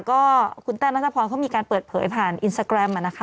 ก็คุณแต้วนัทพรเขามีการเปิดเผยผ่านอินสตาแกรมนะคะ